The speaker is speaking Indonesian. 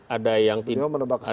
ada yang mendebak kesana